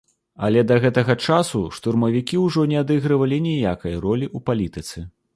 Але да гэтага часу штурмавікі ўжо не адыгрывалі ніякай ролі ў палітыцы.